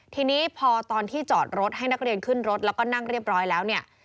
ทีนี้พอตอนที่จอดรถให้นักเรียนขึ้นรถแล้วก็นั่งเรียบร้อยแล้วเนี่ย